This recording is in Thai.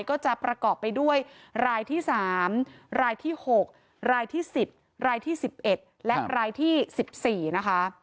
ก็จะประกอบไปด้วยรายที่๓รายที่๖รายที่๑๐รายที่๑๑และรายที่๑๔นะคะ